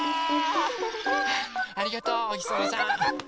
ありがとうおひさまさん。